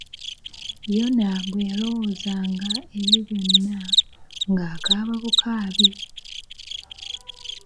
Yona bwe yalowoozanga ebyo byonna, ng'akaaba bukaabi.